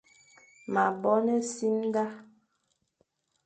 Ma bôn-e-simda,